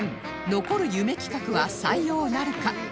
残る夢企画は採用なるか？